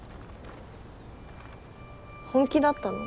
本気だったの？